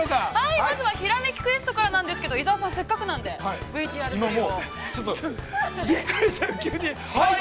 まずは「ひらめきクエスト」からなんですが、伊沢さん、せっかくなので、ＶＴＲを。